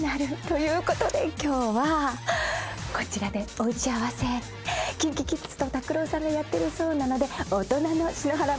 ということで今日はこちらでお打ち合わせＫｉｎＫｉＫｉｄｓと拓郎さんがやってるそうなので。